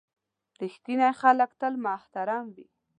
• رښتیني خلک تل محترم وي.